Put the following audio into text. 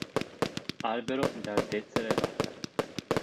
Albero di altezza elevata.